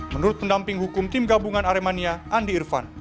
menurut pendamping hukum tim gabungan aremania andi irfan